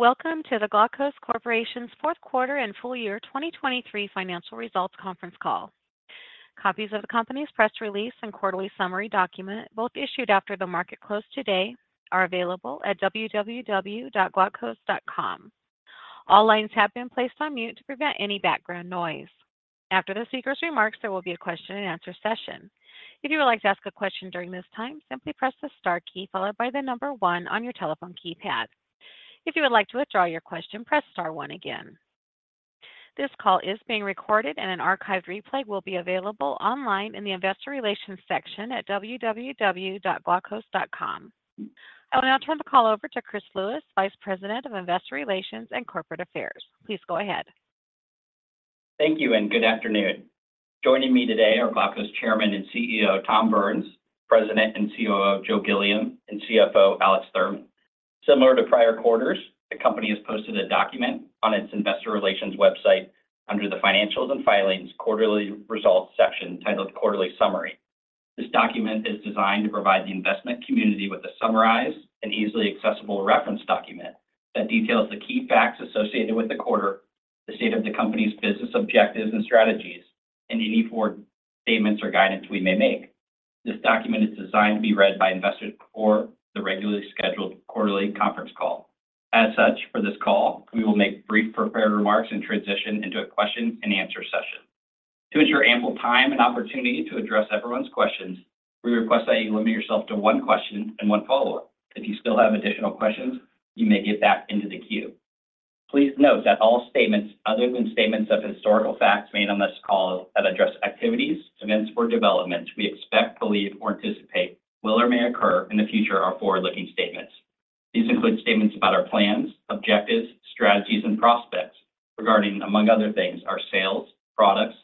Welcome to the Glaukos Corporation's fourth quarter and full year 2023 financial results conference call. Copies of the company's press release and quarterly summary document, both issued after the market closed today, are available at www.glaukos.com. All lines have been placed on mute to prevent any background noise. After the speaker's remarks, there will be a question-and-answer session. If you would like to ask a question during this time, simply press the star key followed by the number 1 on your telephone keypad. If you would like to withdraw your question, press star 1 again. This call is being recorded, and an archived replay will be available online in the investor relations section at www.glaukos.com. I will now turn the call over to Chris Lewis, Vice President of Investor Relations and Corporate Affairs. Please go ahead. Thank you, and good afternoon. Joining me today are Glaukos Chairman and CEO Tom Burns, President and COO Joe Gilliam, and CFO Alex Thurman. Similar to prior quarters, the company has posted a document on its investor relations website under the Financials and Filings quarterly results section titled Quarterly Summary. This document is designed to provide the investment community with a summarized and easily accessible reference document that details the key facts associated with the quarter, the state of the company's business objectives and strategies, and any forward statements or guidance we may make. This document is designed to be read by investors before the regularly scheduled quarterly conference call. As such, for this call, we will make brief prepared remarks and transition into a question-and-answer session. To ensure ample time and opportunity to address everyone's questions, we request that you limit yourself to one question and one follow-up. If you still have additional questions, you may get back into the queue. Please note that all statements other than statements of historical facts made on this call that address activities, events, or developments we expect, believe, or anticipate will or may occur in the future are forward-looking statements. These include statements about our plans, objectives, strategies, and prospects regarding, among other things, our sales, products,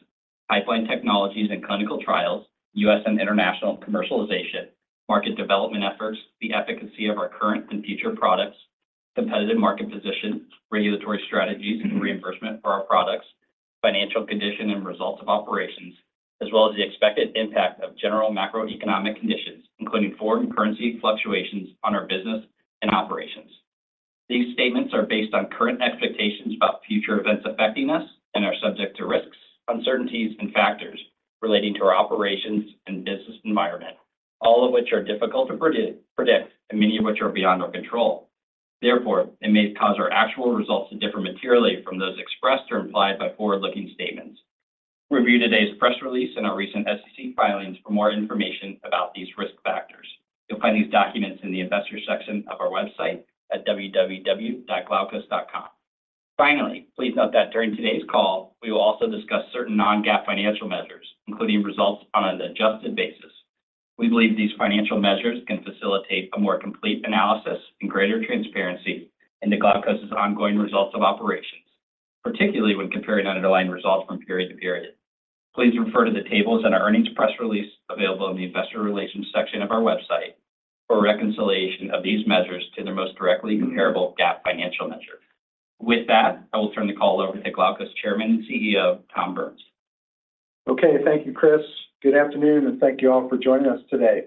pipeline technologies, and clinical trials, U.S. and international commercialization, market development efforts, the efficacy of our current and future products, competitive market position, regulatory strategies and reimbursement for our products, financial condition and results of operations, as well as the expected impact of general macroeconomic conditions, including foreign currency fluctuations on our business and operations. These statements are based on current expectations about future events affecting us and are subject to risks, uncertainties, and factors relating to our operations and business environment, all of which are difficult to predict and many of which are beyond our control. Therefore, it may cause our actual results to differ materially from those expressed or implied by forward-looking statements. Review today's press release and our recent SEC filings for more information about these risk factors. You'll find these documents in the investor section of our website at www.glaukos.com. Finally, please note that during today's call, we will also discuss certain non-GAAP financial measures, including results on an adjusted basis. We believe these financial measures can facilitate a more complete analysis and greater transparency into Glaukos's ongoing results of operations, particularly when comparing underlying results from period to period. Please refer to the tables and our earnings press release available in the investor relations section of our website for reconciliation of these measures to their most directly comparable GAAP financial measure. With that, I will turn the call over to Glaukos Chairman and CEO Tom Burns. Okay. Thank you, Chris. Good afternoon and thank you all for joining us today.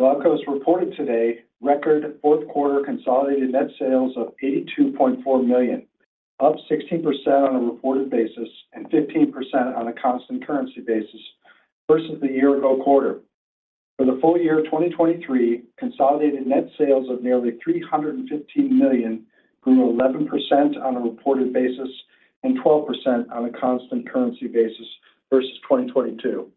Glaukos reported today record fourth quarter consolidated net sales of $82.4 million, up 16% on a reported basis and 15% on a constant currency basis versus the year-ago quarter. For the full year 2023, consolidated net sales of nearly $315 million grew 11% on a reported basis and 12% on a constant currency basis versus 2022.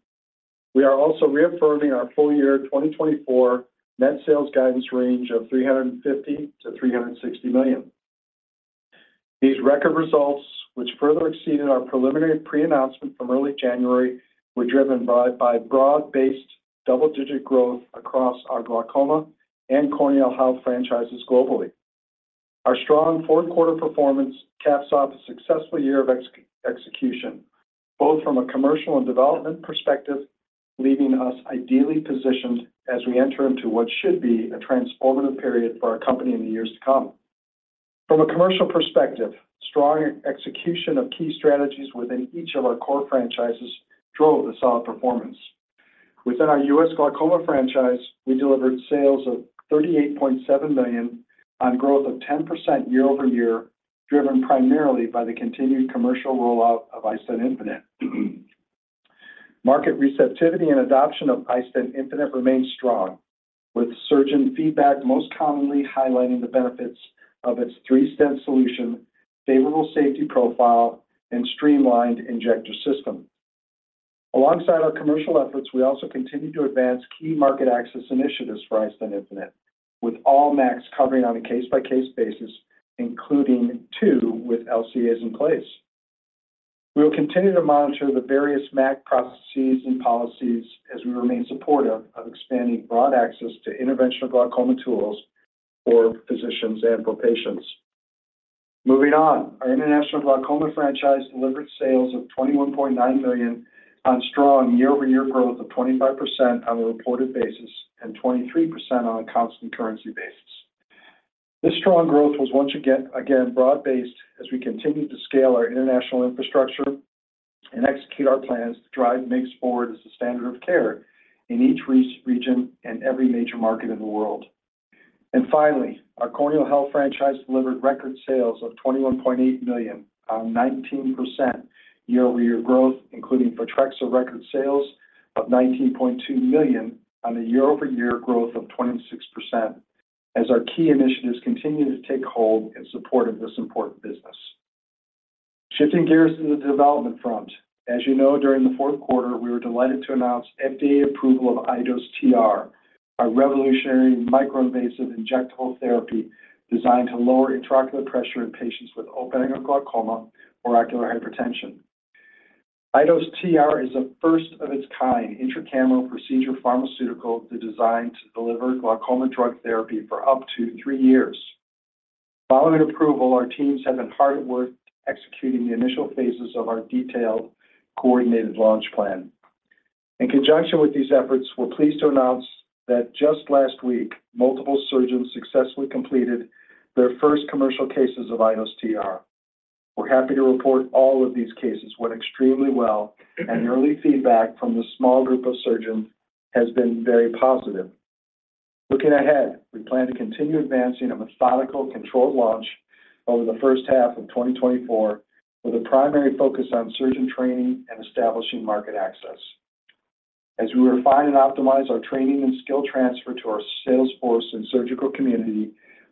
We are also reaffirming our full year 2024 net sales guidance range of $350-$360 million. These record results, which further exceeded our preliminary pre-announcement from early January, were driven by broad-based double-digit growth across our glaucoma and corneal health franchises globally. Our strong fourth quarter performance caps off a successful year of execution, both from a commercial and development perspective, leaving us ideally positioned as we enter into what should be a transformative period for our company in the years to come. From a commercial perspective, strong execution of key strategies within each of our core franchises drove the solid performance. Within our U.S. glaucoma franchise, we delivered sales of $38.7 million on growth of 10% year-over-year, driven primarily by the continued commercial rollout of iStent infinite. Market receptivity and adoption of iStent infinite remained strong, with surgeon feedback most commonly highlighting the benefits of its three-stent solution, favorable safety profile, and streamlined injector system. Alongside our commercial efforts, we also continue to advance key market access initiatives for iStent infinite, with all MACs covering on a case-by-case basis, including two with LCAs in place. We will continue to monitor the various MAC processes and policies as we remain supportive of expanding broad access to interventional glaucoma tools for physicians and for patients. Moving on, our international glaucoma franchise delivered sales of $21.9 million on strong year-over-year growth of 25% on a reported basis and 23% on a constant currency basis. This strong growth was once again broad-based as we continue to scale our international infrastructure and execute our plans to drive MACs forward as the standard of care in each region and every major market in the world. And finally, our corneal health franchise delivered record sales of $21.8 million on 19% year-over-year growth, including Photrexa record sales of $19.2 million on a year-over-year growth of 26%, as our key initiatives continue to take hold in support of this important business. Shifting gears to the development front. As you know, during the fourth quarter, we were delighted to announce FDA approval of iDose TR, a revolutionary microinvasive injectable therapy designed to lower intraocular pressure in patients with open-angle glaucoma or ocular hypertension. iDose TR is a first of its kind intracameral procedural pharmaceutical designed to deliver glaucoma drug therapy for up to three years. Following approval, our teams have been hard at work executing the initial phases of our detailed, coordinated launch plan. In conjunction with these efforts, we're pleased to announce that just last week, multiple surgeons successfully completed their first commercial cases of iDose TR. We're happy to report all of these cases went extremely well, and early feedback from the small group of surgeons has been very positive. Looking ahead, we plan to continue advancing a methodical controlled launch over the first half of 2024 with a primary focus on surgeon training and establishing market access. As we refine and optimize our training and skill transfer to our salesforce and surgical community,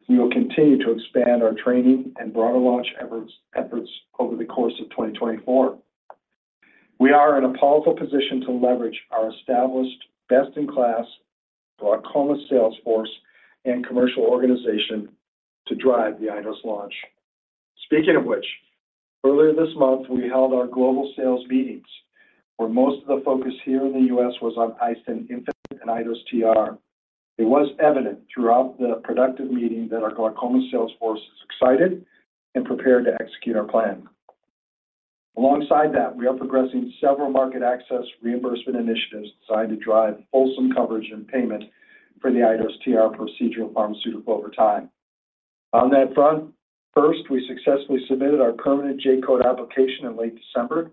we will continue to expand our training and broader launch efforts over the course of 2024. We are in a powerful position to leverage our established best-in-class glaucoma salesforce and commercial organization to drive the iDose launch. Speaking of which, earlier this month, we held our global sales meetings where most of the focus here in the U.S. was on iStent infinite and iDose TR. It was evident throughout the productive meeting that our glaucoma salesforce is excited and prepared to execute our plan. Alongside that, we are progressing several market access reimbursement initiatives designed to drive fulsome coverage and payment for the iDose TR procedural pharmaceutical over time. On that front, first, we successfully submitted our permanent J-code application in late December,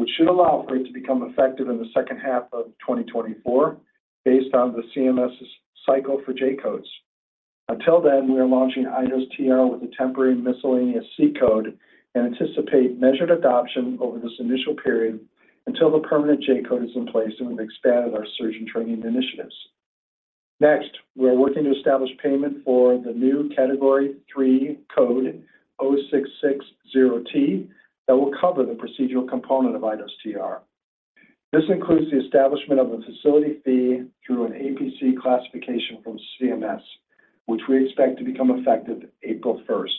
which should allow for it to become effective in the second half of 2024 based on the CMS cycle for J-codes. Until then, we are launching iDose TR with a temporary miscellaneous C-code and anticipate measured adoption over this initial period until the permanent J-code is in place and we've expanded our surgeon training initiatives. Next, we are working to establish payment for the new Category III code 0660T that will cover the procedural component of iDose TR. This includes the establishment of a facility fee through an APC classification from CMS, which we expect to become effective April 1st.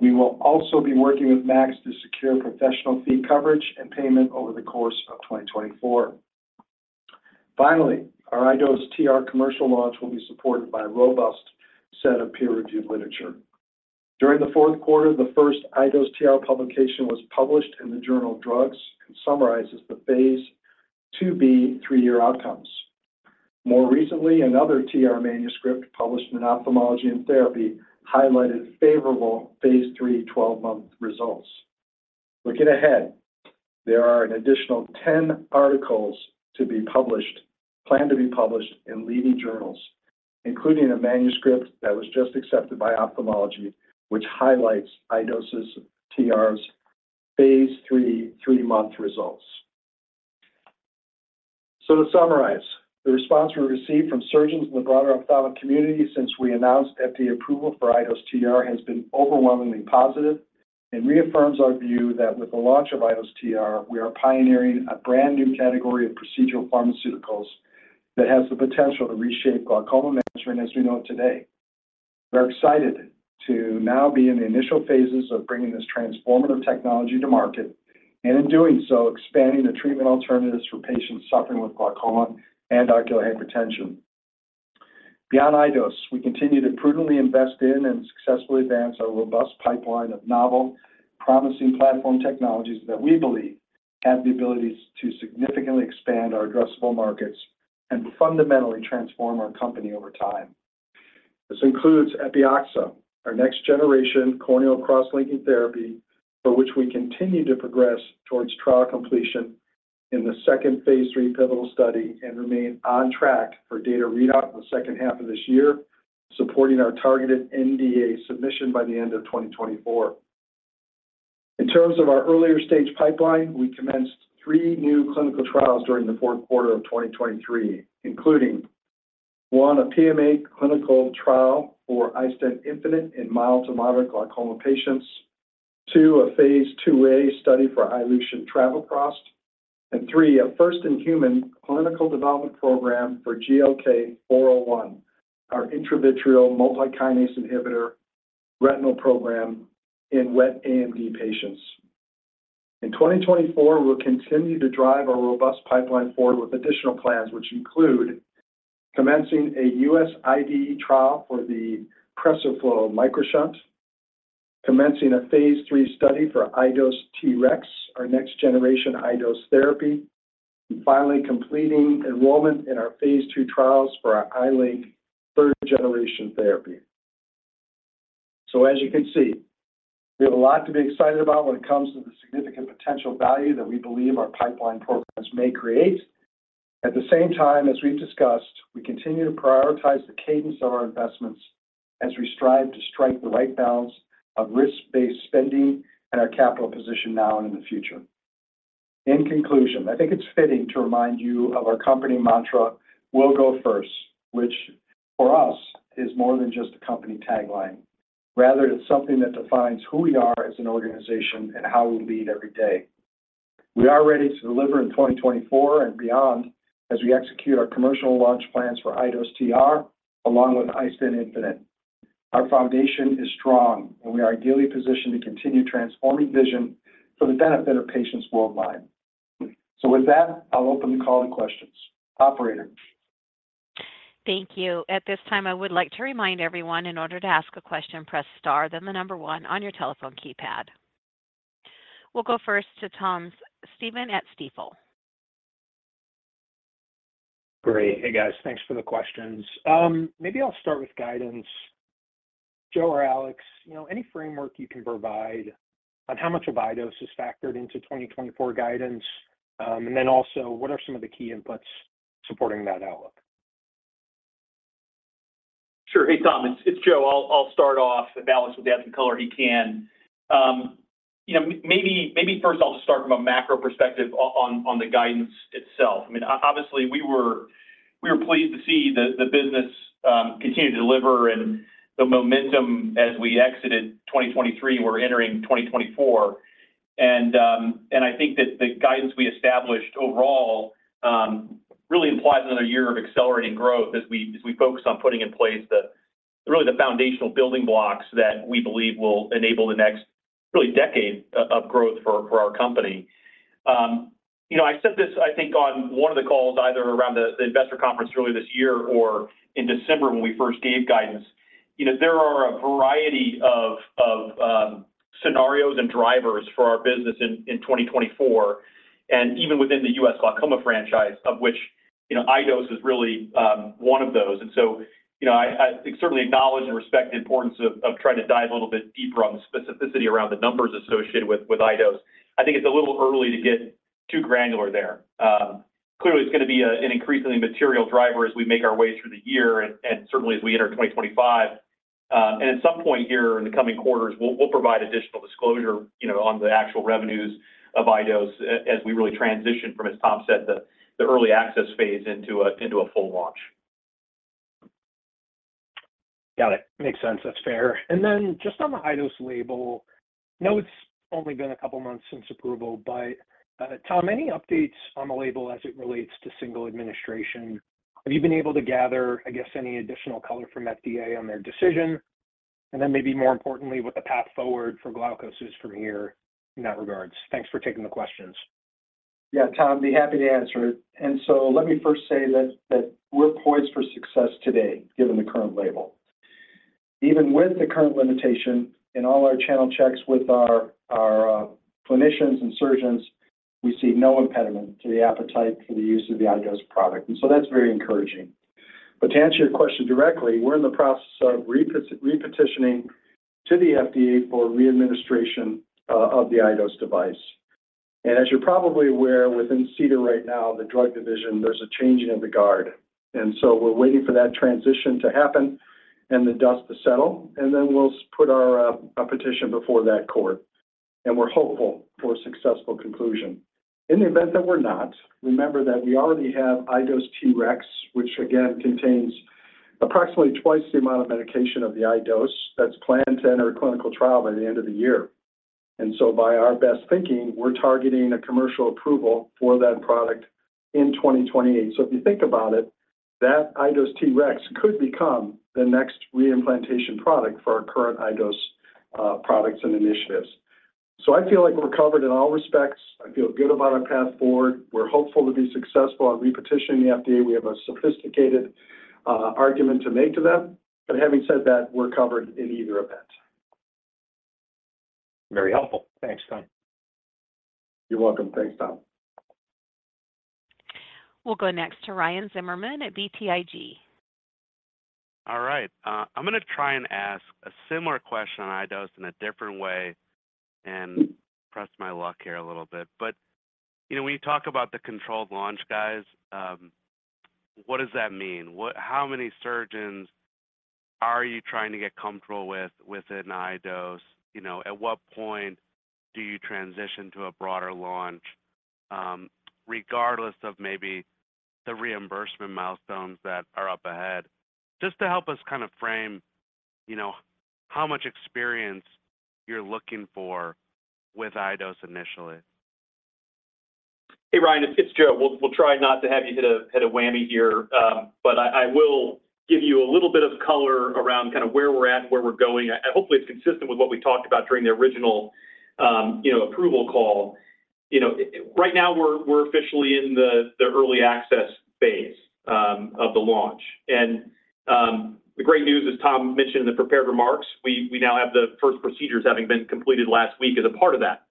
We will also be working with MACs to secure professional fee coverage and payment over the course of 2024. Finally, our iDose TR commercial launch will be supported by a robust set of peer-reviewed literature. During the fourth quarter, the first iDose TR publication was published in the journal Drugs and summarizes the Phase 2b three-year outcomes. More recently, another iDose TR manuscript published in Ophthalmology and Therapy highlighted favorable Phase 3 12-month results. Looking ahead, there are an additional 10 articles to be published, planned to be published in leading journals, including a manuscript that was just accepted by Ophthalmology, which highlights iDose TR's Phase 3 3-month results. So to summarize, the response we received from surgeons in the broader ophthalmic community since we announced FDA approval for iDose TR has been overwhelmingly positive and reaffirms our view that with the launch of iDose TR, we are pioneering a brand new category of procedural pharmaceuticals that has the potential to reshape glaucoma management as we know it today. We are excited to now be in the initial phases of bringing this transformative technology to market and in doing so, expanding the treatment alternatives for patients suffering with glaucoma and ocular hypertension. Beyond iDose, we continue to prudently invest in and successfully advance our robust pipeline of novel, promising platform technologies that we believe have the abilities to significantly expand our addressable markets and fundamentally transform our company over time. This includes Epioxa, our next-generation corneal cross-linking therapy for which we continue to progress towards trial completion in the second Phase 3 pivotal study and remain on track for data readout in the second half of this year, supporting our targeted NDA submission by the end of 2024. In terms of our earlier stage pipeline, we commenced three new clinical trials during the fourth quarter of 2023, including one, a PMA clinical trial for iStent infinite in mild to moderate glaucoma patients, two, a Phase 2a study for iLution travoprost, and three, a first-in-human clinical development program for GLK-401, our intravitreal multikinase inhibitor retinal program in wet AMD patients. In 2024, we will continue to drive our robust pipeline forward with additional plans, which include commencing a U.S. IDE trial for the PreserFlo MicroShunt, commencing a Phase 3 study for iDose TREX, our next-generation iDose therapy, and finally completing enrollment in our Phase 2 trials for our iLink third-generation therapy. So as you can see, we have a lot to be excited about when it comes to the significant potential value that we believe our pipeline programs may create. At the same time, as we've discussed, we continue to prioritize the cadence of our investments as we strive to strike the right balance of risk-based spending and our capital position now and in the future. In conclusion, I think it's fitting to remind you of our company mantra, "We'll go first," which for us is more than just a company tagline. Rather, it's something that defines who we are as an organization and how we lead every day. We are ready to deliver in 2024 and beyond as we execute our commercial launch plans for iDose TR along with iStent infinite. Our foundation is strong, and we are ideally positioned to continue transforming vision for the benefit of patients worldwide. With that, I'll open the call to questions. Operator. Thank you. At this time, I would like to remind everyone, in order to ask a question, press star then the number one on your telephone keypad. We'll go first to Tom Stephan at Stifel. Great. Hey, guys. Thanks for the questions. Maybe I'll start with guidance. Joe or Alex, any framework you can provide on how much of iDose is factored into 2024 guidance? And then also, what are some of the key inputs supporting that outlook? Sure. Hey, Tom. It's Joe. I'll start off. Alex will add some color he can. Maybe first, I'll just start from a macro perspective on the guidance itself. I mean, obviously, we were pleased to see the business continue to deliver and the momentum as we exited 2023. We're entering 2024. I think that the guidance we established overall really implies another year of accelerating growth as we focus on putting in place really the foundational building blocks that we believe will enable the next really decade of growth for our company. I said this, I think, on one of the calls either around the investor conference earlier this year or in December when we first gave guidance. There are a variety of scenarios and drivers for our business in 2024, and even within the U.S. glaucoma franchise, of which iDose is really one of those. So I certainly acknowledge and respect the importance of trying to dive a little bit deeper on the specificity around the numbers associated with iDose. I think it's a little early to get too granular there. Clearly, it's going to be an increasingly material driver as we make our way through the year and certainly as we enter 2025. At some point here in the coming quarters, we'll provide additional disclosure on the actual revenues of iDose as we really transition from, as Tom said, the early access phase into a full launch. Got it. Makes sense. That's fair. And then just on the iDose label, now it's only been a couple of months since approval, but Tom, any updates on the label as it relates to single administration? Have you been able to gather, I guess, any additional color from FDA on their decision? And then maybe more importantly, what the path forward for Glaukos is from here in that regards. Thanks for taking the questions. Yeah, Tom, I'd be happy to answer it. And so let me first say that we're poised for success today given the current label. Even with the current limitation and all our channel checks with our clinicians and surgeons, we see no impediment to the appetite for the use of the iDose product. And so that's very encouraging. But to answer your question directly, we're in the process of re-petitioning to the FDA for readministration of the iDose device. And as you're probably aware, within CDER right now, the drug division, there's a changing of the guard. And so we're waiting for that transition to happen and the dust to settle. And then we'll put our petition before that court. And we're hopeful for a successful conclusion. In the event that we're not, remember that we already have iDose TREX, which again contains approximately twice the amount of medication of the iDose TR that's planned to enter a clinical trial by the end of the year. And so by our best thinking, we're targeting a commercial approval for that product in 2028. So if you think about it, that iDose TREX could become the next reimplantation product for our current iDose products and initiatives. So I feel like we're covered in all respects. I feel good about our path forward. We're hopeful to be successful on resubmitting to the FDA. We have a sophisticated argument to make to them. But having said that, we're covered in either event. Very helpful. Thanks, Tom. You're welcome. Thanks, Tom. We'll go next to Ryan Zimmerman at BTIG. All right. I'm going to try and ask a similar question on iDose in a different way and press my luck here a little bit. But when you talk about the controlled launch, guys, what does that mean? How many surgeons are you trying to get comfortable with in iDose? At what point do you transition to a broader launch regardless of maybe the reimbursement milestones that are up ahead? Just to help us kind of frame how much experience you're looking for with iDose initially. Hey, Ryan. It's Joe. We'll try not to have you hit a whammy here. But I will give you a little bit of color around kind of where we're at and where we're going. Hopefully, it's consistent with what we talked about during the original approval call. Right now, we're officially in the early access phase of the launch. And the great news is, Tom mentioned in the prepared remarks, we now have the first procedures having been completed last week as a part of that.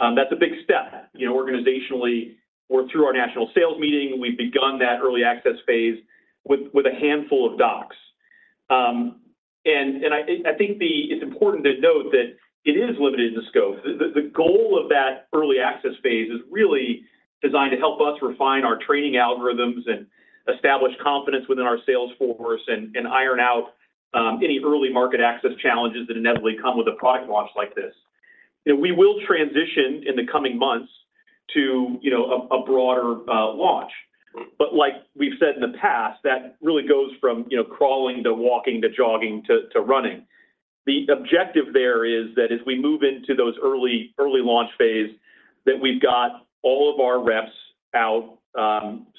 That's a big step. Organizationally, we're through our national sales meeting. We've begun that early access phase with a handful of docs. And I think it's important to note that it is limited in scope. The goal of that early access phase is really designed to help us refine our training algorithms and establish confidence within our sales force and iron out any early market access challenges that inevitably come with a product launch like this. We will transition in the coming months to a broader launch. Like we've said in the past, that really goes from crawling to walking to jogging to running. The objective there is that as we move into those early launch phases, that we've got all of our reps out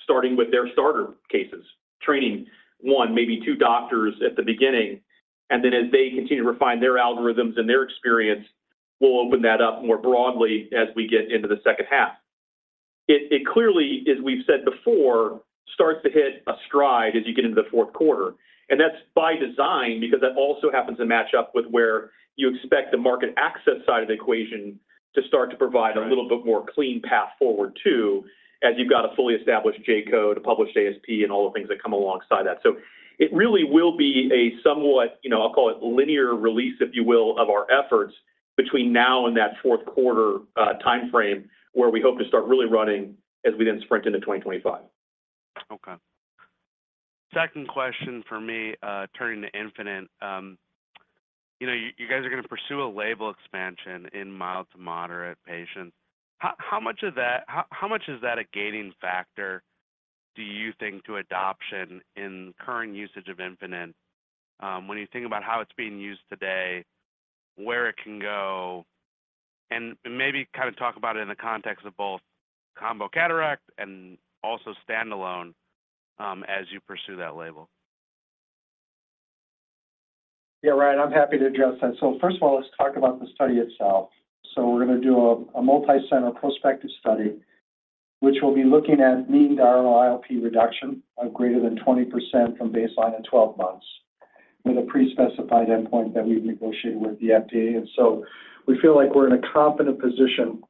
starting with their starter cases, training one, maybe two doctors at the beginning. Then as they continue to refine their algorithms and their experience, we'll open that up more broadly as we get into the second half. It clearly, as we've said before, starts to hit a stride as you get into the fourth quarter. That's by design because that also happens to match up with where you expect the market access side of the equation to start to provide a little bit more clean path forward too as you've got a fully established J-code, a published ASP, and all the things that come alongside that. So it really will be a somewhat, I'll call it, linear release, if you will, of our efforts between now and that fourth quarter time frame where we hope to start really running as we then sprint into 2025. Okay. Second question for me, turning to iStent infinite. You guys are going to pursue a label expansion in mild to moderate patients. How much of that how much is that a gating factor, do you think, to adoption in current usage of iStent infinite when you think about how it's being used today, where it can go? And maybe kind of talk about it in the context of both combo cataract and also standalone as you pursue that label. Yeah, Ryan. I'm happy to address that. So first of all, let's talk about the study itself. So we're going to do a multi-center prospective study, which will be looking at mean diurnal IOP reduction of greater than 20% from baseline in 12 months with a prespecified endpoint that we've negotiated with the FDA. And so we feel like we're in a competent position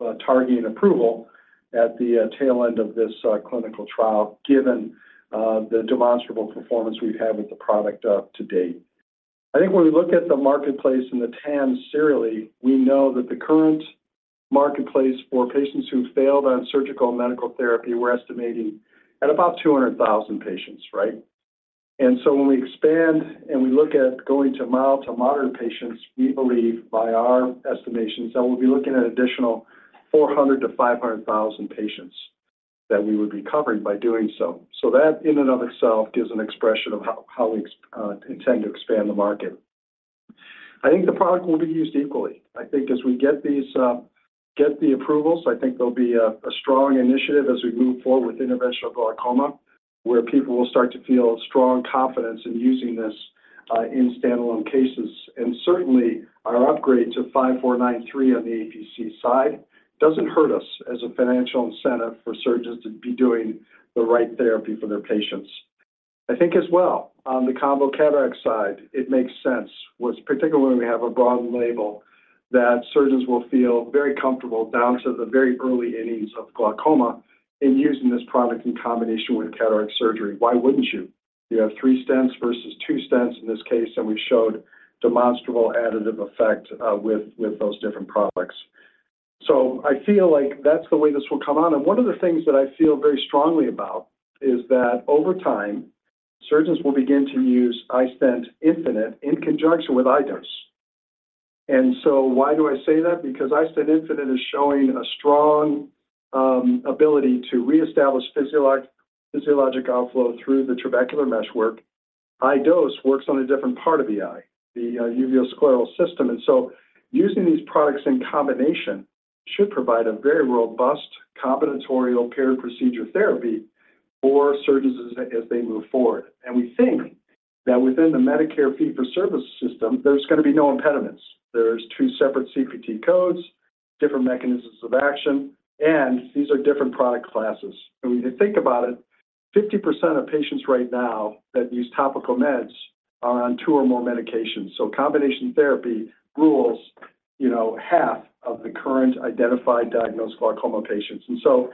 of targeting approval at the tail end of this clinical trial given the demonstrable performance we've had with the product to date. I think when we look at the marketplace and the TAM serially, we know that the current marketplace for patients who failed on surgical medical therapy, we're estimating at about 200,000 patients, right? When we expand and we look at going to mild to moderate patients, we believe by our estimations that we'll be looking at additional 400,000-500,000 patients that we would be covering by doing so. That in and of itself gives an expression of how we intend to expand the market. I think the product will be used equally. I think as we get the approvals, I think there'll be a strong initiative as we move forward with interventional glaucoma where people will start to feel strong confidence in using this in standalone cases. Certainly, our upgrade to 5493 on the APC side doesn't hurt us as a financial incentive for surgeons to be doing the right therapy for their patients. I think as well, on the combo cataract side, it makes sense, particularly when we have a broad label, that surgeons will feel very comfortable down to the very early innings of glaucoma in using this product in combination with cataract surgery. Why wouldn't you? You have 3 stents versus 2 stents in this case, and we showed demonstrable additive effect with those different products. So I feel like that's the way this will come on. And one of the things that I feel very strongly about is that over time, surgeons will begin to use iStent infinite in conjunction with iDose. And so why do I say that? Because iStent infinite is showing a strong ability to reestablish physiologic outflow through the trabecular meshwork. iDose works on a different part of the eye, the uveoscleral system. And so using these products in combination should provide a very robust combinatorial paired procedure therapy for surgeons as they move forward. And we think that within the Medicare fee-for-service system, there's going to be no impediments. There's two separate CPT codes, different mechanisms of action, and these are different product classes. And when you think about it, 50% of patients right now that use topical meds are on two or more medications. So combination therapy rules half of the current identified diagnosed glaucoma patients. And so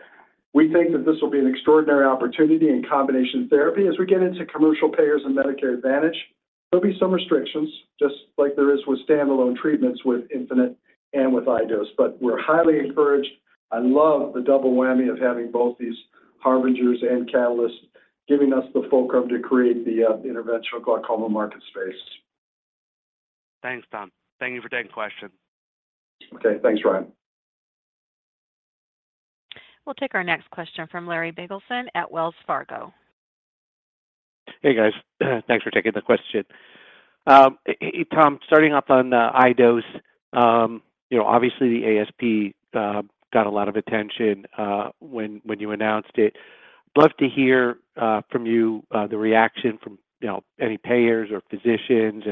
we think that this will be an extraordinary opportunity in combination therapy. As we get into commercial payers and Medicare Advantage, there'll be some restrictions just like there is with standalone treatments with Infinite and with iDose. But we're highly encouraged. I love the double whammy of having both these harbingers and catalysts giving us the fulcrum to create the interventional glaucoma market space. Thanks, Tom. Thank you for taking the question. Okay. Thanks, Ryan. We'll take our next question from Larry Biegelsen at Wells Fargo. Hey, guys. Thanks for taking the question. Tom, starting off on iDose, obviously, the ASP got a lot of attention when you announced it. I'd love to hear from you the reaction from any payers or physicians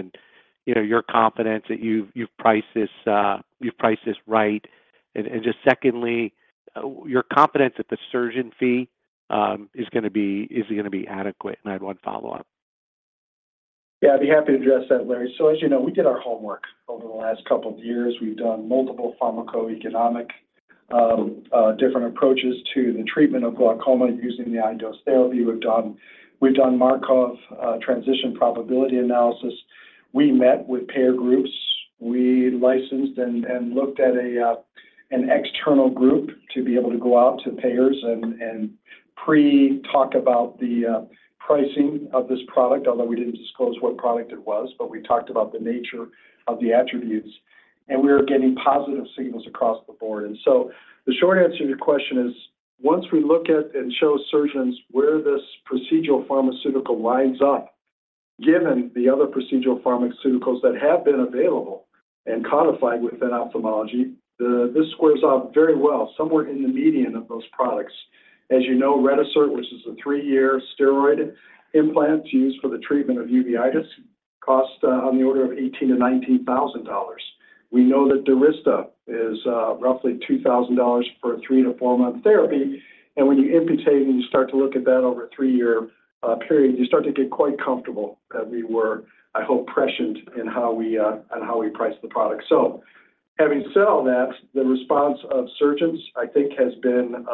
and your confidence that you've priced this right. And just secondly, your confidence that the surgeon fee is going to be is it going to be adequate? And I had one follow-up. Yeah, I'd be happy to address that, Larry. So as you know, we did our homework over the last couple of years. We've done multiple pharmacoeconomic different approaches to the treatment of glaucoma using the iDose therapy. We've done Markov transition probability analysis. We met with payer groups. We licensed and looked at an external group to be able to go out to payers and pre-talk about the pricing of this product, although we didn't disclose what product it was, but we talked about the nature of the attributes. And so the short answer to your question is, once we look at and show surgeons where this procedural pharmaceutical lines up given the other procedural pharmaceuticals that have been available and codified within ophthalmology, this squares out very well, somewhere in the median of those products. As you know, Retisert, which is a three-year steroid implant used for the treatment of uveitis, costs on the order of $18,000-$19,000. We know that Durysta is roughly $2,000 for a 3-4 month therapy. And when you extrapolate and you start to look at that over a 3-year period, you start to get quite comfortable that we were, I hope, pressured in how we priced the product. So having said all that, the response of surgeons, I think, has been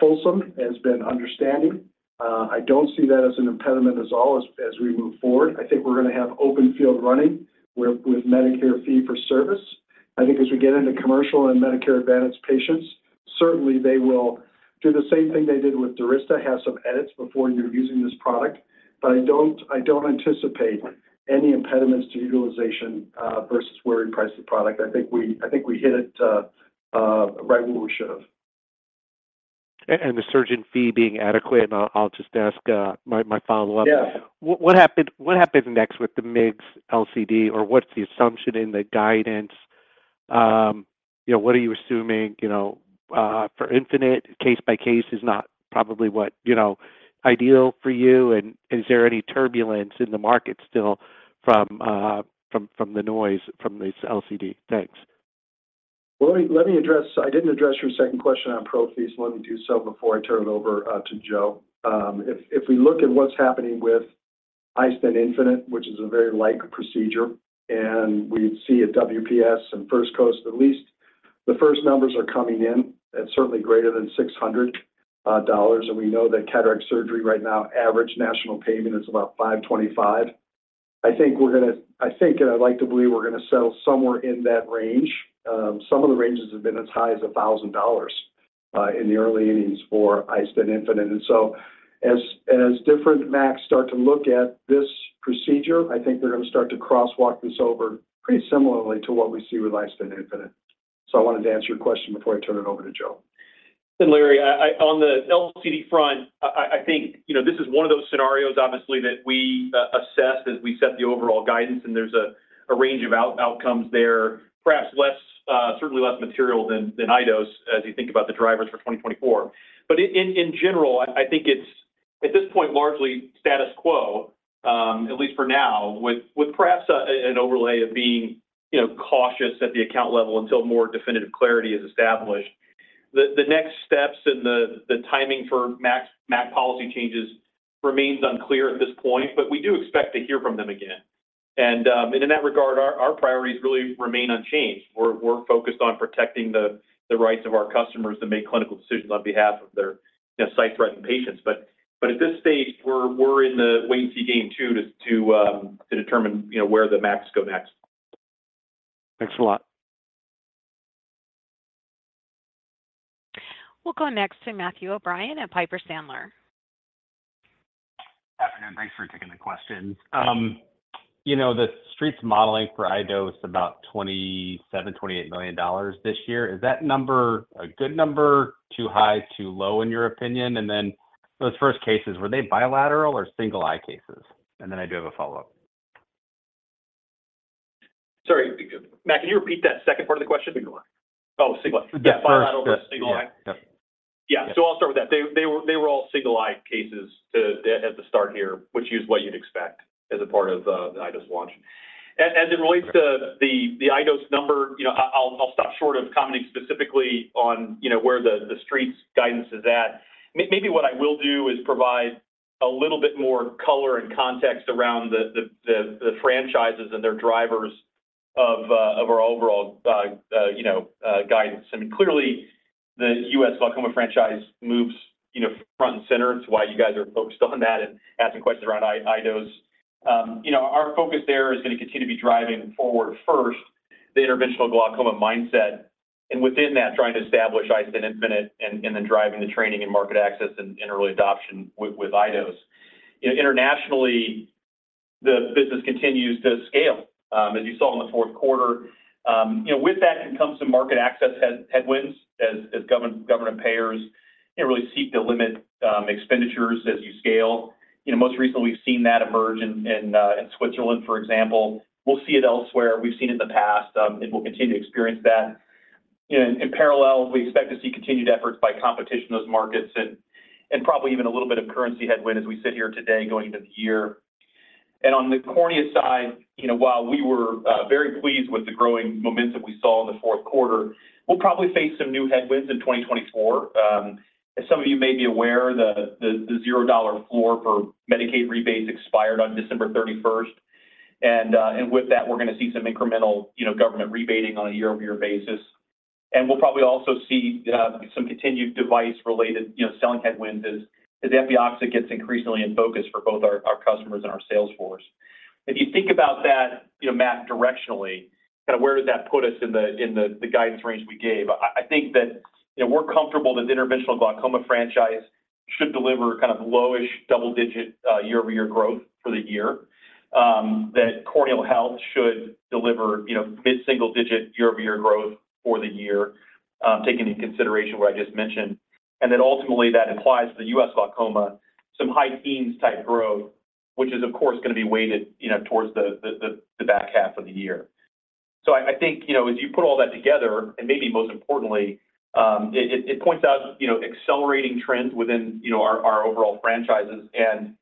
fulsome, has been understanding. I don't see that as an impediment at all as we move forward. I think we're going to have open field running with Medicare fee-for-service. I think as we get into commercial and Medicare Advantage patients, certainly, they will do the same thing they did with Durysta, have some edits before you're using this product. But I don't anticipate any impediments to utilization versus where we price the product. I think we hit it right where we should have. And the surgeon fee being adequate, and I'll just ask my follow-up. What happens next with the MIGS LCD, or what's the assumption in the guidance? What are you assuming for iStent infinite? Case by case is not probably what ideal for you. And is there any turbulence in the market still from the noise from this LCD? Thanks. Well, let me address I didn't address your second question on Pro fee, so let me do so before I turn it over to Joe. If we look at what's happening with iStent infinite, which is a very light procedure, and we see at WPS and First Coast, at least the first numbers are coming in. It's certainly greater than $600. And we know that cataract surgery right now, average national payment is about $525. I think we're going to, and I'd like to believe, we're going to settle somewhere in that range. Some of the ranges have been as high as $1,000 in the early innings for iStent infinite. And so as different MACs start to look at this procedure, I think they're going to start to crosswalk this over pretty similarly to what we see with iStent infinite. I wanted to answer your question before I turn it over to Joe. Larry, on the LCD front, I think this is one of those scenarios, obviously, that we assess as we set the overall guidance. There's a range of outcomes there, perhaps certainly less material than iDose as you think about the drivers for 2024. But in general, I think it's at this point largely status quo, at least for now, with perhaps an overlay of being cautious at the account level until more definitive clarity is established. The next steps and the timing for MAC policy changes remains unclear at this point, but we do expect to hear from them again. In that regard, our priorities really remain unchanged. We're focused on protecting the rights of our customers that make clinical decisions on behalf of their sight-threatened patients. But at this stage, we're in the wait-and-see game too to determine where the MACs go next. Thanks a lot. We'll go next to Matthew O'Brien at Piper Sandler. Good afternoon. Thanks for taking the questions. The Street's modeling for iDose is about $27-$28 million this year. Is that number a good number, too high, too low in your opinion? Then those first cases, were they bilateral or single-eye cases? Then I do have a follow-up. Sorry. Matt, can you repeat that second part of the question? Oh, single-eye. Yeah, bilateral, single-eye. Yeah. So I'll start with that. They were all single-eye cases at the start here, which is what you'd expect as a part of the iDose launch. As it relates to the iDose number, I'll stop short of commenting specifically on where the Street's guidance is at. Maybe what I will do is provide a little bit more color and context around the franchises and their drivers of our overall guidance. I mean, clearly, the U.S. glaucoma franchise moves front and center to why you guys are focused on that and asking questions around iDose. Our focus there is going to continue to be driving forward first, the interventional glaucoma mindset, and within that, trying to establish iStent infinite and then driving the training and market access and early adoption with iDose. Internationally, the business continues to scale as you saw in the fourth quarter. With that can come some market access headwinds as government payers really seek to limit expenditures as you scale. Most recently, we've seen that emerge in Switzerland, for example. We'll see it elsewhere. We've seen it in the past, and we'll continue to experience that. In parallel, we expect to see continued efforts by competition in those markets and probably even a little bit of currency headwind as we sit here today going into the year. And on the corneal side, while we were very pleased with the growing momentum we saw in the fourth quarter, we'll probably face some new headwinds in 2024. As some of you may be aware, the $0 floor for Medicaid rebates expired on December 31st. And with that, we're going to see some incremental government rebating on a year-over-year basis. We'll probably also see some continued device-related selling headwinds as Epioxa gets increasingly in focus for both our customers and our salesforce. If you think about that, Matt, directionally, kind of where does that put us in the guidance range we gave? I think that we're comfortable that the interventional glaucoma franchise should deliver kind of low-ish double-digit year-over-year growth for the year, that corneal health should deliver mid-single-digit year-over-year growth for the year, taking into consideration what I just mentioned. And then ultimately, that implies for the U.S. glaucoma, some high-teens type growth, which is, of course, going to be weighted towards the back half of the year. So I think as you put all that together, and maybe most importantly, it points out accelerating trends within our overall franchises and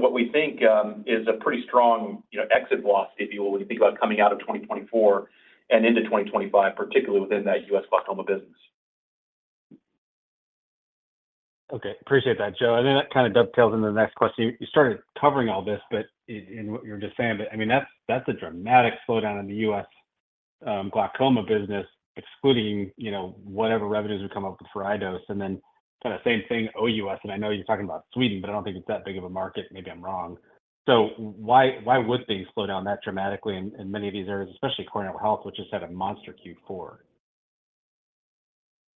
what we think is a pretty strong exit velocity, if you will, when you think about coming out of 2024 and into 2025, particularly within that U.S. glaucoma business. Okay. Appreciate that, Joe. I think that kind of dovetails into the next question. You started covering all this, but in what you were just saying, but I mean, that's a dramatic slowdown in the U.S. glaucoma business, excluding whatever revenues we come up with for iDose. And then kind of same thing, Oh, U.S. And I know you're talking about Sweden, but I don't think it's that big of a market. Maybe I'm wrong. So why would things slowdown that dramatically in many of these areas, especially corneal health, which has had a monster Q4?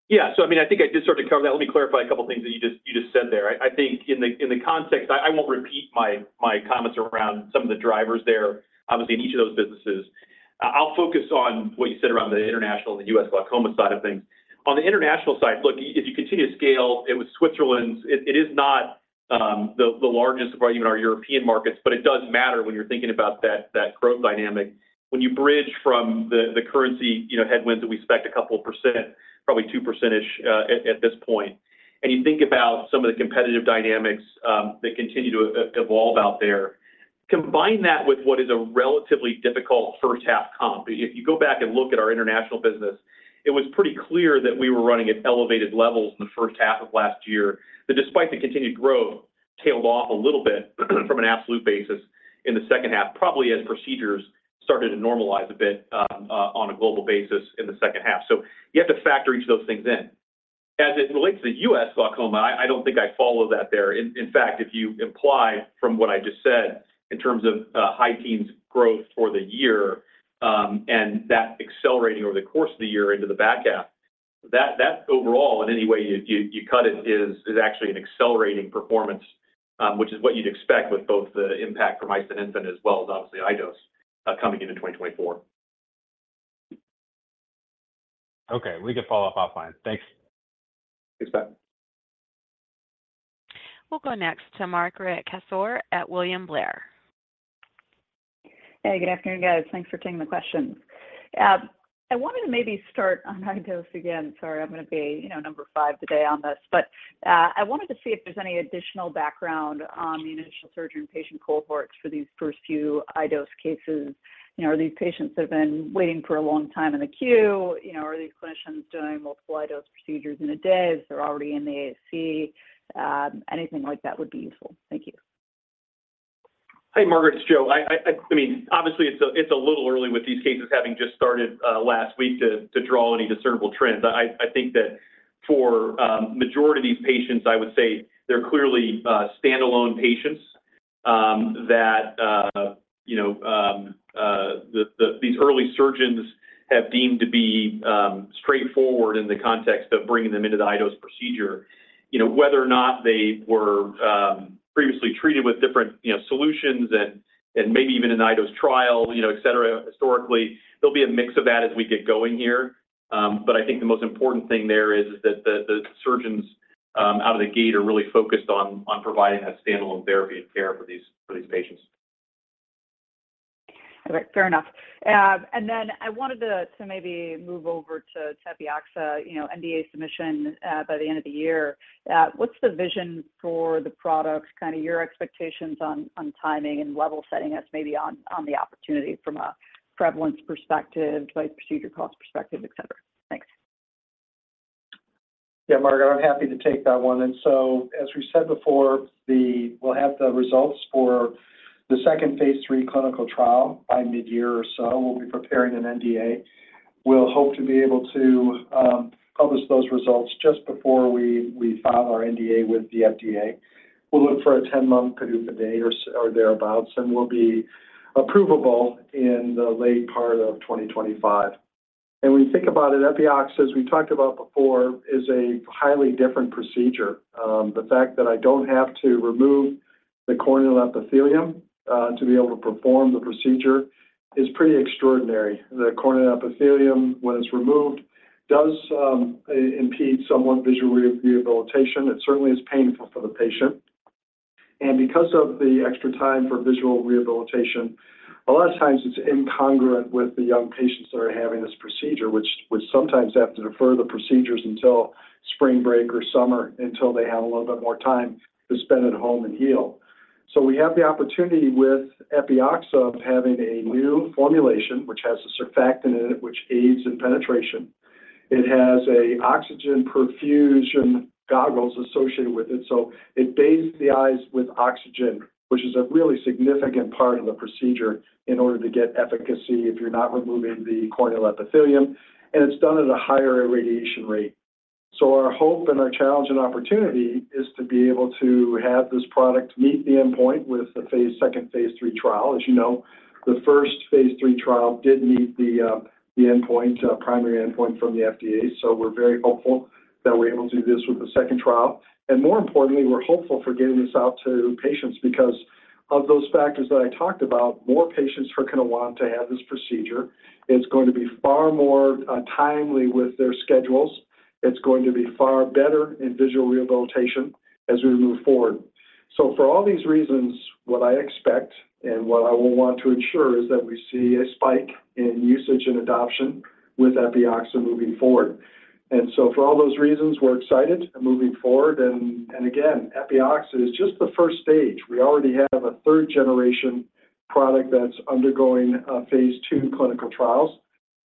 Yeah. So I mean, I think I did start to cover that. Let me clarify a couple of things that you just said there. I think in the context, I won't repeat my comments around some of the drivers there, obviously, in each of those businesses. I'll focus on what you said around the international and the U.S. glaucoma side of things. On the international side, look, if you continue to scale, it was Switzerland. It is not the largest of even our European markets, but it does matter when you're thinking about that growth dynamic. When you bridge from the currency headwinds that we expect a couple of percent, probably 2%-ish at this point. And you think about some of the competitive dynamics that continue to evolve out there, combine that with what is a relatively difficult first-half comp. If you go back and look at our international business, it was pretty clear that we were running at elevated levels in the first half of last year, that despite the continued growth, tailed off a little bit from an absolute basis in the second half, probably as procedures started to normalize a bit on a global basis in the second half. So you have to factor each of those things in. As it relates to the U.S. glaucoma, I don't think I follow that there. In fact, if you imply from what I just said in terms of high-teens growth for the year and that accelerating over the course of the year into the back half, that overall, in any way you cut it, is actually an accelerating performance, which is what you'd expect with both the impact from iStent infinite as well as, obviously, iDose coming into 2024. Okay. We can follow up offline. Thanks. Thanks, Matt. We'll go next to Margaret Kaczor at William Blair. Hey, good afternoon, guys. Thanks for taking the questions. I wanted to maybe start on iDose again. Sorry, I'm going to be number 5 today on this. But I wanted to see if there's any additional background on the initial surgeon patient cohorts for these first few iDose cases. Are these patients that have been waiting for a long time in the queue? Are these clinicians doing multiple iDose procedures in a day? If they're already in the ASC, anything like that would be useful. Thank you. Hey, Margaret. It's Joe. I mean, obviously, it's a little early with these cases having just started last week to draw any discernible trends. I think that for the majority of these patients, I would say they're clearly standalone patients that these early surgeons have deemed to be straightforward in the context of bringing them into the iDose procedure. Whether or not they were previously treated with different solutions and maybe even an iDose trial, etc., historically, there'll be a mix of that as we get going here. But I think the most important thing there is that the surgeons out of the gate are really focused on providing that standalone therapy and care for these patients. All right. Fair enough. And then I wanted to maybe move over to Epioxa, NDA submission by the end of the year. What's the vision for the product, kind of your expectations on timing and level setting us maybe on the opportunity from a prevalence perspective, vs. procedure cost perspective, etc.? Thanks. Yeah, Margaret, I'm happy to take that one. So as we said before, we'll have the results for the second Phase 3 clinical trial by mid-year or so. We'll be preparing an NDA. We'll hope to be able to publish those results just before we file our NDA with the FDA. We'll look for a 10-month PDUFA day or thereabouts. And we'll be approved in the late part of 2025. And when you think about it, Epioxa, as we've talked about before, is a highly different procedure. The fact that I don't have to remove the corneal epithelium to be able to perform the procedure is pretty extraordinary. The corneal epithelium, when it's removed, does impede somewhat visual rehabilitation. It certainly is painful for the patient. And because of the extra time for visual rehabilitation, a lot of times, it's incongruent with the young patients that are having this procedure, which sometimes have to defer the procedures until spring break or summer until they have a little bit more time to spend at home and heal. So we have the opportunity with Epioxa of having a new formulation, which has a surfactant in it, which aids in penetration. It has oxygen perfusion goggles associated with it. So it bathes the eyes with oxygen, which is a really significant part of the procedure in order to get efficacy if you're not removing the corneal epithelium. And it's done at a higher irradiation rate. So our hope and our challenge and opportunity is to be able to have this product meet the endpoint with the second Phase 3 trial. As you know, the first Phase 3 trial did meet the primary endpoint from the FDA. So we're very hopeful that we're able to do this with the second trial. And more importantly, we're hopeful for getting this out to patients because of those factors that I talked about, more patients are going to want to have this procedure. It's going to be far more timely with their schedules. It's going to be far better in visual rehabilitation as we move forward. So for all these reasons, what I expect and what I will want to ensure is that we see a spike in usage and adoption with Epioxa moving forward. And so for all those reasons, we're excited moving forward. And again, Epioxa is just the first stage. We already have a third-generation product that's undergoing Phase 2 clinical trials.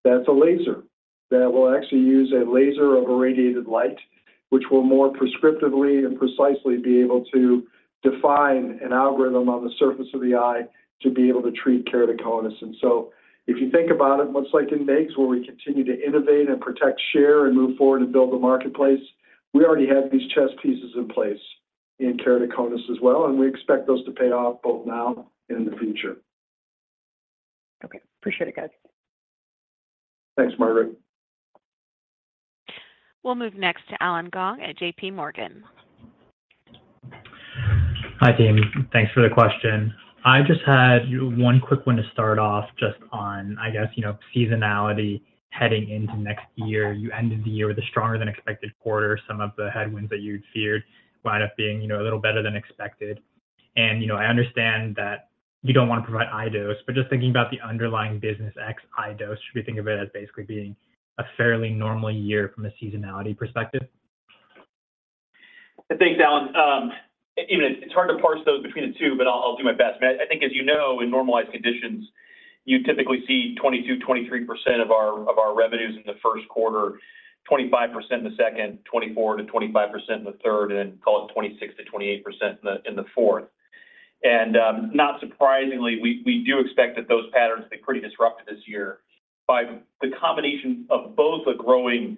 That's a laser that will actually use a laser of irradiated light, which will more prescriptively and precisely be able to define an algorithm on the surface of the eye to be able to treat keratoconus. And so if you think about it, much like in MIGS, where we continue to innovate and protect, share, and move forward and build the marketplace, we already have these chess pieces in place in keratoconus as well. And we expect those to pay off both now and in the future. Okay. Appreciate it, guys. Thanks, Margaret. We'll move next to Allen Gong at J.P. Morgan. Hi, team. Thanks for the question. I just had one quick one to start off just on, I guess, seasonality heading into next year. You ended the year with a stronger-than-expected quarter. Some of the headwinds that you'd feared wound up being a little better than expected. I understand that you don't want to provide iDose, but just thinking about the underlying business ex iDose, should we think of it as basically being a fairly normal year from a seasonality perspective? Thanks, Allen. Even it's hard to parse those between the two, but I'll do my best. I mean, I think, as you know, in normalized conditions, you typically see 22%, 23% of our revenues in the first quarter, 25% in the second, 24%-25% in the third, and then call it 26%-28% in the fourth. And not surprisingly, we do expect that those patterns to be pretty disruptive this year by the combination of both the growing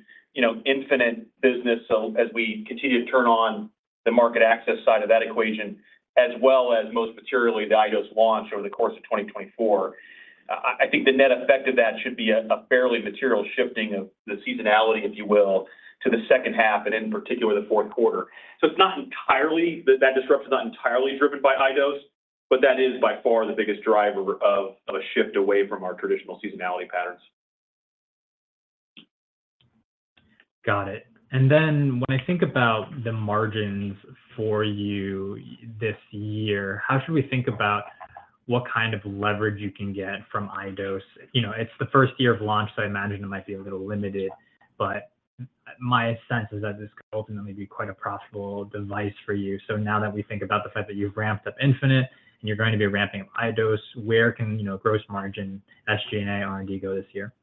infinite business as we continue to turn on the market access side of that equation, as well as most materially, the iDose launch over the course of 2024. I think the net effect of that should be a fairly material shifting of the seasonality, if you will, to the second half and in particular, the fourth quarter. So that disruption is not entirely driven by iDose, but that is by far the biggest driver of a shift away from our traditional seasonality patterns. Got it. And then when I think about the margins for you this year, how should we think about what kind of leverage you can get from iDose? It's the first year of launch, so I imagine it might be a little limited. But my sense is that this could ultimately be quite a profitable device for you. So now that we think about the fact that you've ramped up iStent infinite and you're going to be ramping up iDose, where can gross margin, SG&A, R&D go this year?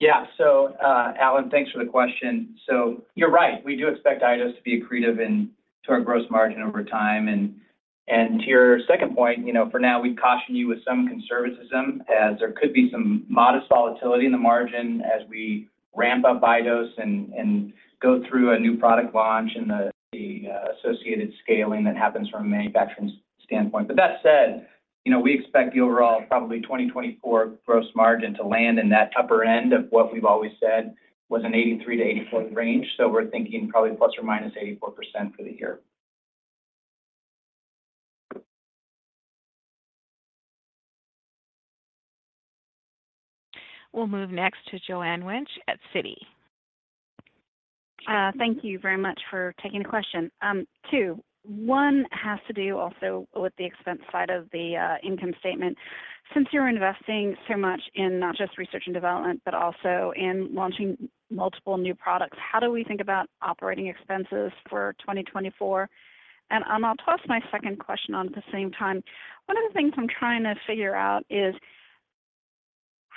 Yeah. So Allen, thanks for the question. So you're right. We do expect iDose to be accretive to our gross margin over time. And to your second point, for now, we've cautioned you with some conservatism as there could be some modest volatility in the margin as we ramp up iDose and go through a new product launch and the associated scaling that happens from a manufacturing standpoint. But that said, we expect the overall probably 2024 gross margin to land in that upper end of what we've always said was an 83%-84% range. So we're thinking probably ±84% for the year. We'll move next to Joanne Wuensch at Citi. Thank you very much for taking the question. Two, one has to do also with the expense side of the income statement. Since you're investing so much in not just research and development, but also in launching multiple new products, how do we think about operating expenses for 2024? And I'll toss my second question on at the same time. One of the things I'm trying to figure out is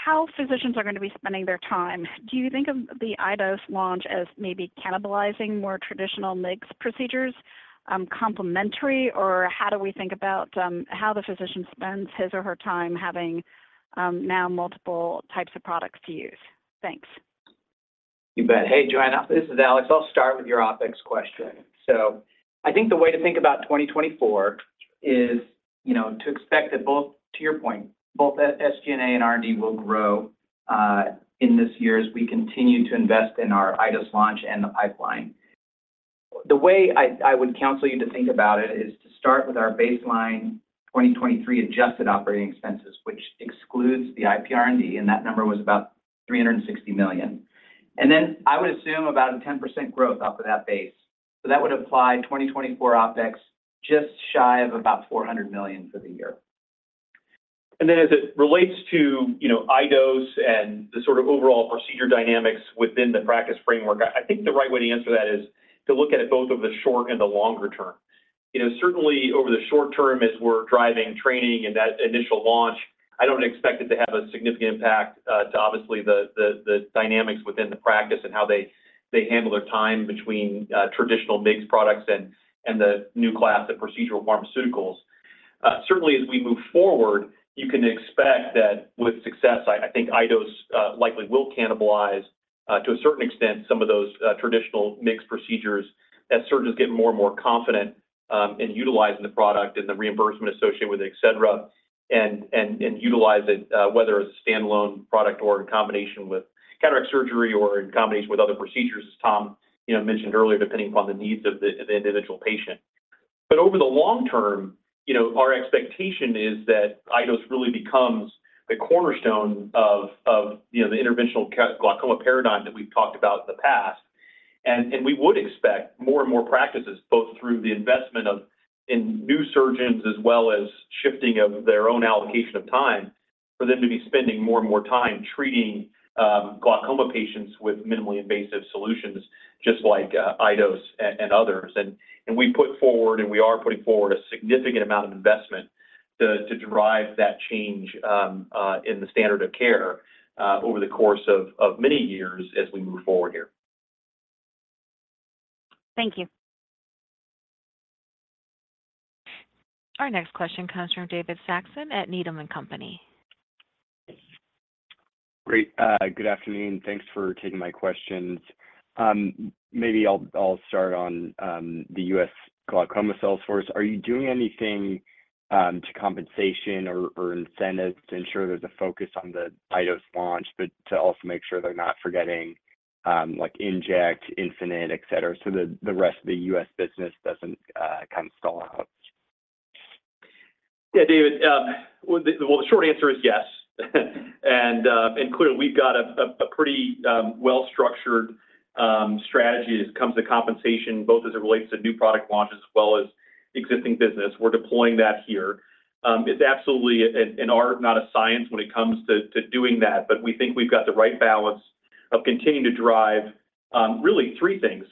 how physicians are going to be spending their time. Do you think of the iDose launch as maybe cannibalizing more traditional MIGS procedures complementary, or how do we think about how the physician spends his or her time having now multiple types of products to use? Thanks. You bet. Hey, Joanne, this is Alex. I'll start with your OpEx question. So I think the way to think about 2024 is to expect that both, to your point, both SG&A and R&D will grow in this year as we continue to invest in our iDose launch and the pipeline. The way I would counsel you to think about it is to start with our baseline 2023 adjusted operating expenses, which excludes the IPR&D. And that number was about $360 million. And then I would assume about a 10% growth off of that base. So that would imply 2024 OpEx just shy of about $400 million for the year. And then as it relates to iDose and the sort of overall procedure dynamics within the practice framework, I think the right way to answer that is to look at it both over the short and the longer term. Certainly, over the short term, as we're driving training and that initial launch, I don't expect it to have a significant impact to, obviously, the dynamics within the practice and how they handle their time between traditional MIGS products and the new class of procedural pharmaceuticals. Certainly, as we move forward, you can expect that with success, I think iDose likely will cannibalize, to a certain extent, some of those traditional MIGS procedures as surgeons get more and more confident in utilizing the product and the reimbursement associated with it, etc., and utilize it whether as a standalone product or in combination with cataract surgery or in combination with other procedures, as Tom mentioned earlier, depending upon the needs of the individual patient. But over the long term, our expectation is that iDose really becomes the cornerstone of the interventional glaucoma paradigm that we've talked about in the past. And we would expect more and more practices, both through the investment in new surgeons as well as shifting of their own allocation of time, for them to be spending more and more time treating glaucoma patients with minimally invasive solutions just like iDose and others. We put forward, and we are putting forward, a significant amount of investment to drive that change in the standard of care over the course of many years as we move forward here. Thank you. Our next question comes from David Saxon at Needham & Company. Great. Good afternoon. Thanks for taking my questions. Maybe I'll start on the U.S. glaucoma sales force. Are you doing anything to compensation or incentives to ensure there's a focus on the iDose launch, but to also make sure they're not forgetting iStent inject, iStent infinite, etc., so the rest of the U.S. business doesn't kind of stall out? Yeah, David. Well, the short answer is yes. And clearly, we've got a pretty well-structured strategy as it comes to compensation, both as it relates to new product launches as well as existing business. We're deploying that here. It's absolutely an art, not a science, when it comes to doing that. But we think we've got the right balance of continuing to drive really three things.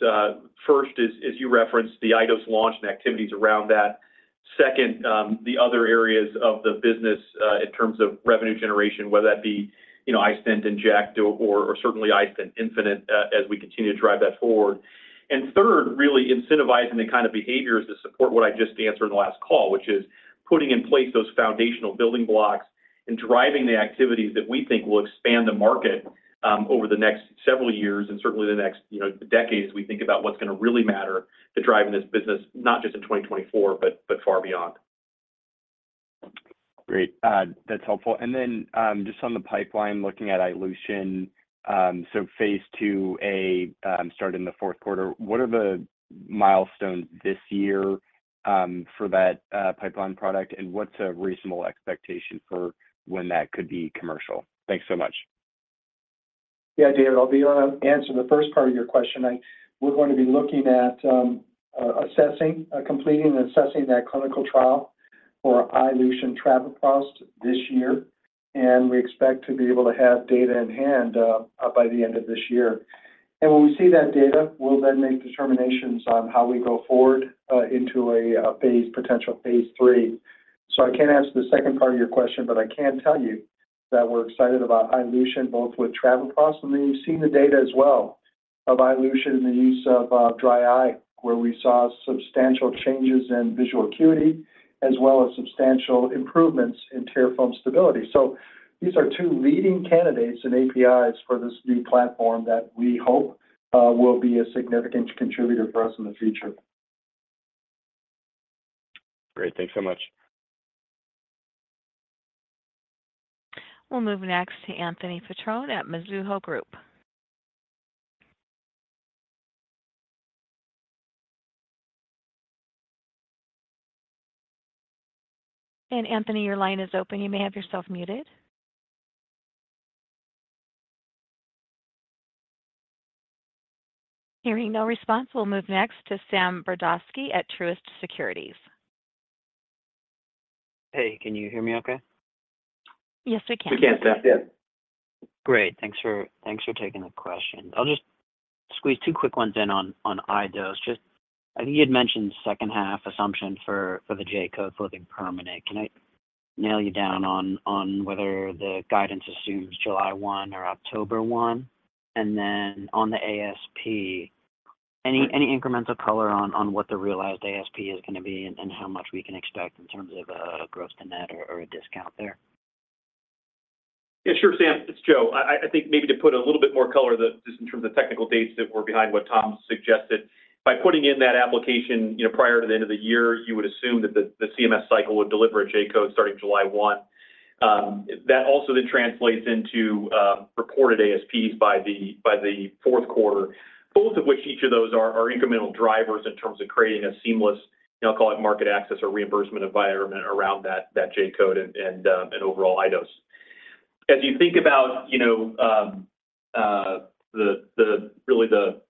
First, as you referenced, the iDose launch and activities around that. Second, the other areas of the business in terms of revenue generation, whether that be iStent inject or certainly iStent infinite as we continue to drive that forward. And third, really incentivizing the kind of behaviors to support what I just answered in the last call, which is putting in place those foundational building blocks and driving the activities that we think will expand the market over the next several years and certainly the next decades as we think about what's going to really matter to driving this business, not just in 2024, but far beyond. Great. That's helpful. Then just on the pipeline, looking at iLution, so Phase 2a started in the fourth quarter. What are the milestones this year for that pipeline product? And what's a reasonable expectation for when that could be commercial? Thanks so much. Yeah, David, I'll be able to answer the first part of your question. We're going to be looking at completing and assessing that clinical trial for iLution Travoprost this year. We expect to be able to have data in hand by the end of this year. When we see that data, we'll then make determinations on how we go forward into a potential Phase 3. So I can't answer the second part of your question, but I can tell you that we're excited about iLution, both with Travoprost. You've seen the data as well of iLution and the use of dry eye, where we saw substantial changes in visual acuity as well as substantial improvements in tear film stability. These are two leading candidates and APIs for this new platform that we hope will be a significant contributor for us in the future. Great. Thanks so much. We'll move next to Anthony Petrone at Mizuho Group. Anthony, your line is open. You may have yourself muted. Hearing no response, we'll move next to Sam Brodovsky at Truist Securities. Hey, can you hear me okay? Yes, we can. We can, Sam. Yeah. Great. Thanks for taking the question. I'll just squeeze two quick ones in on iDose. I think you had mentioned second-half assumption for the J-code going permanent. Can I nail you down on whether the guidance assumes July 1 or October 1? And then on the ASP, any incremental color on what the realized ASP is going to be and how much we can expect in terms of a gross to net or a discount there? Yeah, sure, Sam. It's Joe. I think maybe to put a little bit more color just in terms of technical dates that were behind what Tom suggested, by putting in that application prior to the end of the year, you would assume that the CMS cycle would deliver a J-code starting July 1. That also then translates into reported ASPs by the fourth quarter, both of which each of those are incremental drivers in terms of creating a seamless, I'll call it, market access or reimbursement environment around that J-code and overall iDose. As you think about really the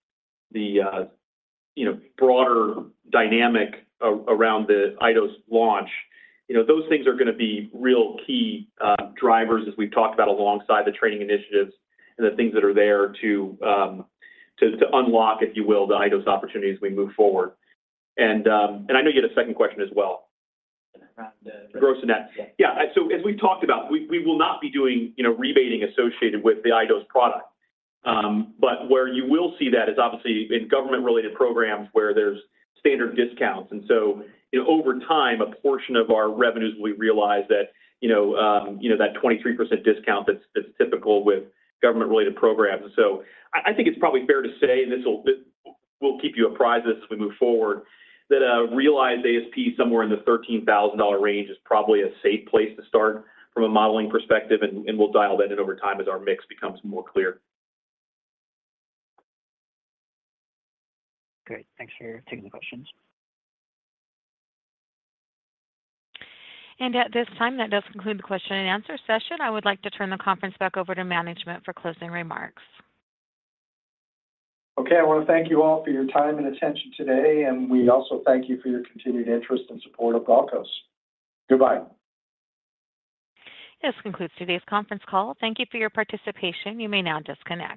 broader dynamic around the iDose launch, those things are going to be real key drivers, as we've talked about, alongside the training initiatives and the things that are there to unlock, if you will, the iDose opportunities as we move forward. I know you had a second question as well. Around the. Gross to net. Yeah. So as we've talked about, we will not be doing rebating associated with the iDose product. But where you will see that is, obviously, in government-related programs where there's standard discounts. And so over time, a portion of our revenues will be realized that that 23% discount that's typical with government-related programs. And so I think it's probably fair to say, and we'll keep you apprised of this as we move forward, that a realized ASP somewhere in the $13,000 range is probably a safe place to start from a modeling perspective. And we'll dial that in over time as our mix becomes more clear. Great. Thanks for taking the questions. At this time, that does conclude the question and answer session. I would like to turn the conference back over to management for closing remarks. Okay. I want to thank you all for your time and attention today. We also thank you for your continued interest and support of Glaukos. Goodbye. This concludes today's conference call. Thank you for your participation. You may now disconnect.